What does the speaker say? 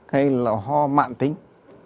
hay là ho mạng tính